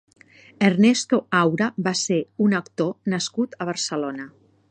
Ernesto Aura va ser un actor nascut a Barcelona.